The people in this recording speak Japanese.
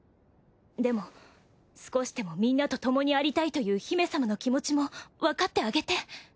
でも少しでもみんなとともにありたいという姫様の気持ちもわかってあげて。